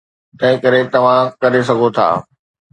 تنهنڪري توهان ڪري سگهو ٿا.